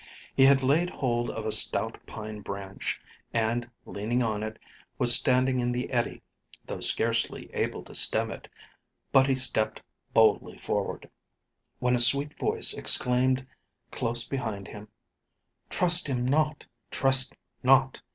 He had laid hold of a stout pine branch, and leaning on it, was standing in the eddy, though scarcely able to stem it, but he stepped boldly forward when a sweet voice exclaimed close behind him: "Trust him not trust not!